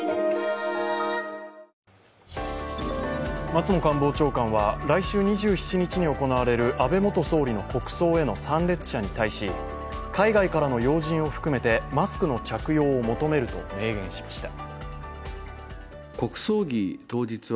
松野官房長官は、来週２７日に行われる安倍元総理の国葬への参列者に対し海外からの要人を含めてマスクの着用を求めると明言しました。